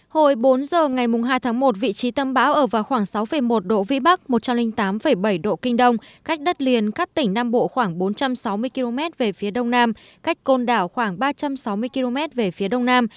hồi bốn giờ ngày hai tháng một vị trí tâm bão ở vào khoảng sáu một độ vĩ bắc một trăm linh tám bảy độ kinh đông cách đất liền các tỉnh nam bộ khoảng bốn trăm sáu mươi km về phía đông nam cách côn đảo khoảng ba trăm sáu mươi km về phía đông nam